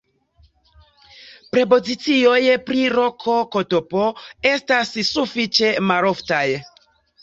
Prepozicioj pri loko ktp estas sufiĉe maloftaj.